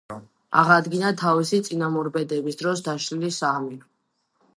აღადგინა თავისი წინამორბედების დროს დაშლილი საამირო.